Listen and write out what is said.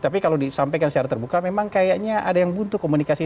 jadi kalau kita bicara terbuka memang kayaknya ada yang butuh komunikasi